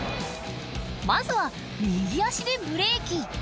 まずは右足でブレーキ